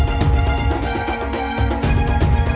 ก็ไม่รู้ว่าเกิดอะไรขึ้นข้างหลัง